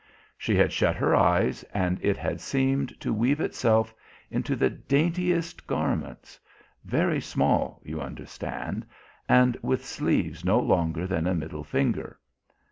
She had shut her eyes, and it had seemed to weave itself into the daintiest garments very small, you understand, and with sleeves no longer than a middle finger.